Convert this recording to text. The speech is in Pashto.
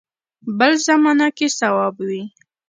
بل زمانه کې صواب وي.